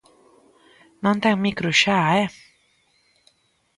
Non ten micro xa, ¡eh!